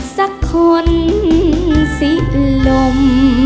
สักคนสิลม